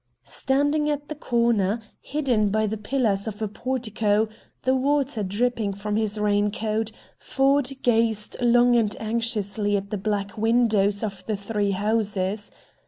Standing at the corner, hidden by the pillars of a portico, the water dripping from his rain coat, Ford gazed long and anxiously at the blank windows of the three houses.